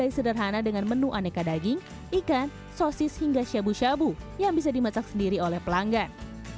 di bekasi jawa barat tempatnya di jalan raya serang setuci karang selatan ada kedai sederhana dengan menu aneka daging ikan sosis hingga syabu syabu yang bisa dimasak sendiri oleh pelanggan